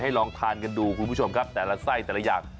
ลองทานกันดูคุณผู้ชมครับแต่ละไส้แต่ละอย่าง